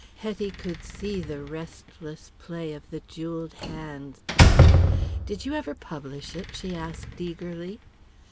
Hetty could see the restless play of the jewelled hands. "Did you ever publish it?" she asked, eagerly.